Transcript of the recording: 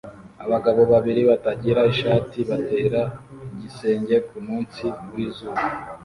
Abagabo babiri batagira ishati batera igisenge kumunsi wizuba